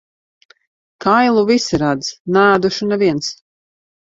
Kailu visi redz, neēdušu neviens.